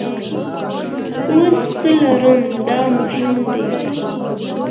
اوس څه لرئ دا مهم دي.